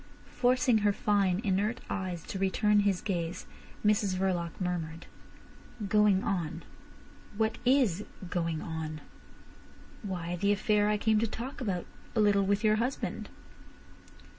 Forcing her fine, inert eyes to return his gaze, Mrs Verloc murmured: "Going on! What is going on?" "Why, the affair I came to talk about a little with your husband."